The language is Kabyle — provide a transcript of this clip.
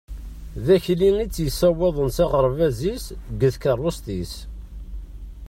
D Akli i tt-yessawaḍen s aɣerbaz-is deg tkarust-is.